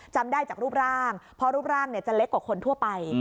จำได้จากรูปร่างเพราะรูปร่างจะเล็กกว่าคนทั่วไป